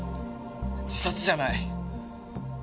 自殺じゃない！